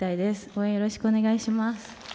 応援よろしくお願いします。